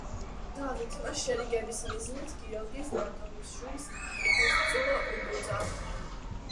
დავითმა შერიგების მიზნით გიორგი ბატონიშვილს საუფლისწულო უბოძა.